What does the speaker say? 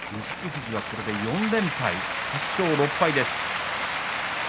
富士はこれで４連敗８勝６敗です。